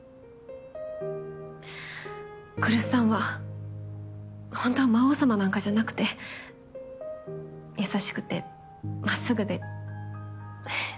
来栖さんはほんとは魔王様なんかじゃなくて優しくてまっすぐでははっ